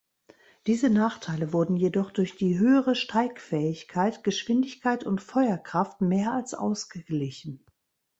Diese Nachteile wurden jedoch durch die höhere Steigfähigkeit, Geschwindigkeit und Feuerkraft mehr als ausgeglichen.